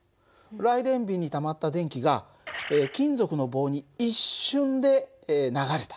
ライデンびんにたまった電気が金属の棒に一瞬で流れた。